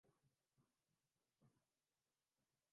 تو شاید کسی کی نظر ان پہ بھی تھی۔